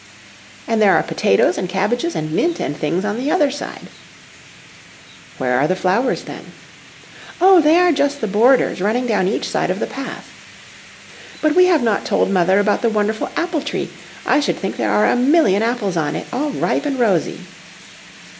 ' And there are potatoes and cabbages, and mint and things on the other side/ ' Where are the flowers, then ?'' Oh, they are just the borders, running down each side of the path.' ' But we have not told mother about the wonderful apple tree; I should think there are a million apples on it, all ripe and rosy!'